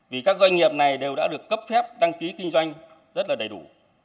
vì các doanh nghiệp này đều đã được cấp phép đăng ký kinh doanh rất là đầy đủ